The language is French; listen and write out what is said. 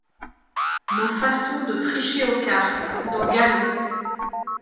Nos façons de tricher aux cartes, nos galons